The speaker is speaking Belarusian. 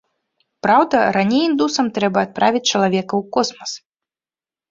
Праўда, раней індусам трэба адправіць чалавека ў космас.